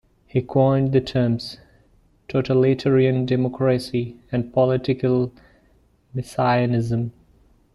He coined the terms "totalitarian democracy" and "political Messianism".